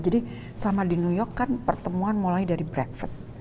jadi selama di new york kan pertemuan mulai dari breakfast